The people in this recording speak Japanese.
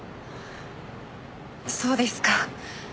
そうですか。